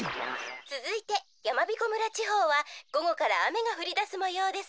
つづいてやまびこ村ちほうはごごからあめがふりだすもようです。